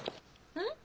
うん？